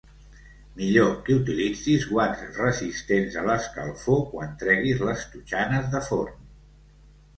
Millor que utilitzis guants resistents a l'escalfor quan treguis les totxanes de forn.